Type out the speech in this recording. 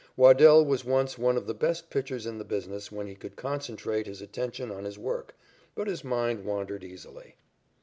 Waddell was once one of the best pitchers in the business when he could concentrate his attention on his work, but his mind wandered easily.